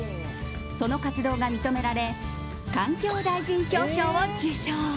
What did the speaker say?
その活動が認められ環境大臣表彰を受賞。